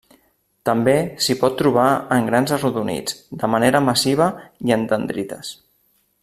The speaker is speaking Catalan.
També s'hi pot trobar en grans arrodonits, de manera massiva i en dendrites.